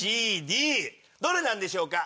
ＡＢＣＤどれなんでしょうか？